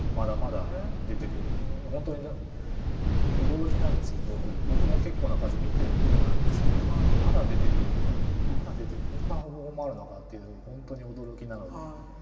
本当に驚きなんですけど僕も結構な数見てる方なんですがまだ出てくるのかまだ出てこんな方法もあるのかっていう本当に驚きなので。